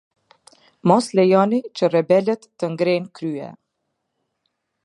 Mos lejoni që rebelët të ngrenë krye.